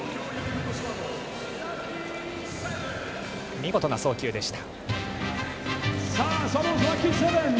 見事な送球でした。